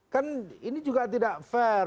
kan ini juga tidak fair